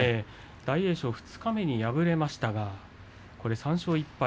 大栄翔、二日目に敗れています、３勝１敗。